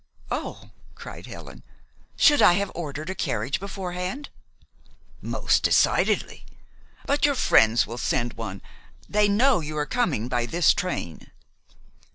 "Oh!" cried Helen. "Should I have ordered a carriage beforehand?" "Most decidedly. But your friends will send one. They know you are coming by this train?"